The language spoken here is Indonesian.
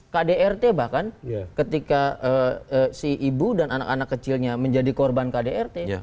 kdrt bahkan ketika si ibu dan anak anak kecilnya menjadi korban kdrt